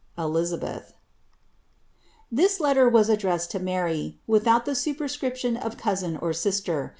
it1 This letter was addressed lo Mary, (without the su perse riptioc cousin or sister.)